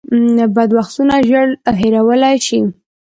بد وختونه ژر هېرولی شئ .